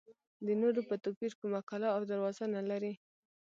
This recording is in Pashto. د نورو په توپیر کومه کلا او دروازه نه لري.